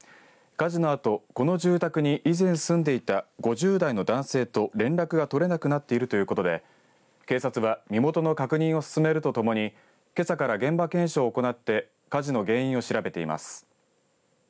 火事のあとこの住宅に以前住んでいた５０代の男性と連絡が取れなくなっているということで警察は身元の確認を進めるとともにけさから現場検証を行って火事の原因を調べています。